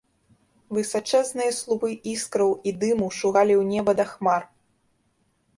Высачэзныя слупы іскраў і дыму шугалі ў неба да хмар.